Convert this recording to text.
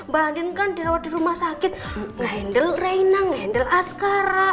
bahkan kan di rumah sakit ngehandle reina ngehandle askara